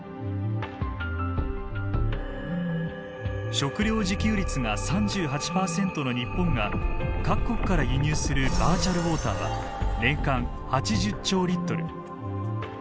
食料自給率が３８％の日本が各国から輸入するバーチャルウォーターは年間８０兆リットル。